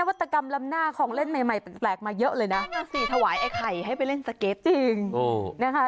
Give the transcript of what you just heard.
ปรัดทัดปรัดทัดปรัดทัดจ่ะหลายนัดเลยอ่ะ